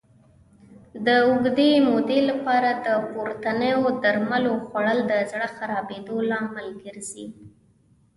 د اوږدې مودې لپاره د پورتنیو درملو خوړل د زړه خرابېدو لامل ګرځي.